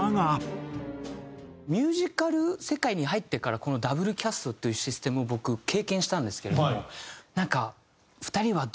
ミュージカル世界に入ってからこのＷキャストというシステムを僕経験したんですけれどもなんか２人はどうですか？